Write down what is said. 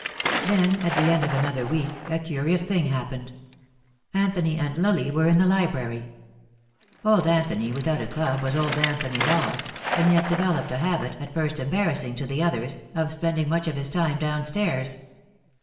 Then, at the end of another week, a curious thing happened. Anthony and Lily were in the library. Old Anthony without a club was Old Anthony lost, and he had developed a habit, at first rather embarrassing to the others, of spending much of his time downstairs.